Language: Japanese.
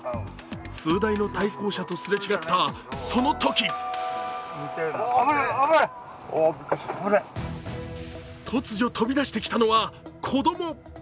数台の対向車とすれ違ったそのとき突如、飛び出してきたのは子供。